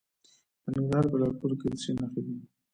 د ننګرهار په لعل پورې کې د څه شي نښې دي؟